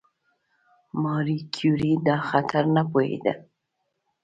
ماري کیوري دا خطر نه پوهېده.